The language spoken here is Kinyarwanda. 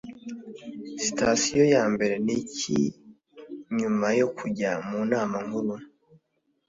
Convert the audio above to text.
Sitasiyo Yambere Niki Nyuma yo Kujya mu Nama Nkuru?